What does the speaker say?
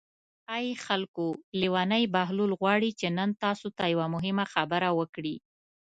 ای خلکو لېونی بهلول غواړي چې نن تاسو ته یوه مهمه خبره وکړي.